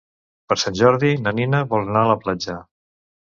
Per Sant Jordi na Nina vol anar a la platja.